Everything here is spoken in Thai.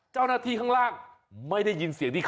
จราณที่ไม่ได้ยิน